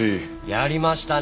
やりましたね。